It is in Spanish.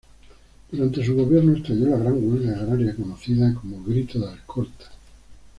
Durante su gobierno estalló la gran huelga agraria conocida como Grito de Alcorta.